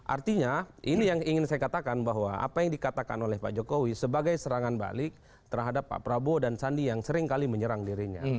artinya ini yang ingin saya katakan bahwa apa yang dikatakan oleh pak jokowi sebagai serangan balik terhadap pak prabowo dan sandi yang seringkali menyerang dirinya